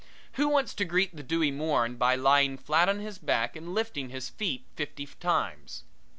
Who wants to greet the dewy morn by lying flat on his back and lifting his feet fifty times?